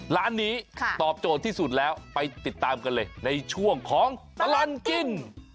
ร้านนี้ตอบโจทย์ที่สุดแล้วไปติดตามกันเลยในช่วงของตลอดกิน